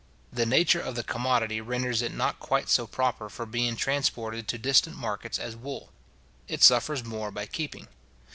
The nature of the commodity renders it not quite so proper for being transported to distant markets as wool. It suffers more by keeping.